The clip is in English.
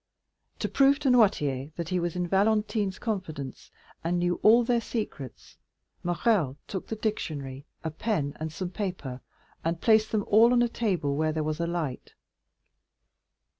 To prove to Noirtier that he was in Valentine's confidence and knew all their secrets, Morrel took the dictionary, a pen, and some paper, and placed them all on a table where there was a light.